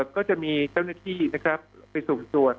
ก็จะมีเจ้าหน้าที่ไปสุ่มตรวจ